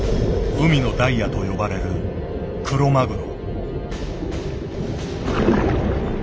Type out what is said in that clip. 「海のダイヤ」と呼ばれるクロマグロ。